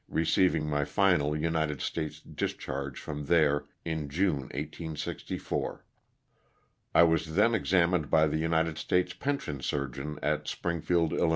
receiving my final United States discharge from there in June, 1864. I was then examined by the United States Pension Surgeon at Springfield, 111.